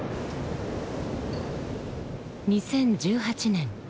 ２０１８年